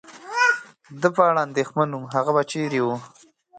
د په اړه اندېښمن ووم، هغه به چېرې و؟